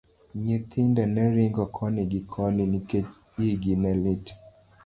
Nyithindo ne ringo koni gi koni nikech igi ne lit.